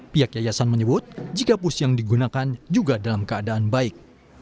pihak yayasan menyebut jika pus yang digunakan juga dalam keadaan baik